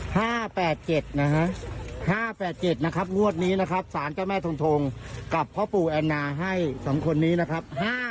๕๘๗นะครับ๕๘๗นะครับวัวดนี้นะครับศาลเจ้าแม่ทงกับพ่อปู่แอนนาให้๒คนนี้นะครับ๕๘๗